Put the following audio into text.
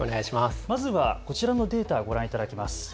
まずはこちらのデータをご覧いただきます。